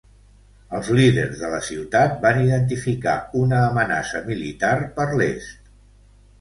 Els líders de la ciutat van identificar una amenaça militar per l'est.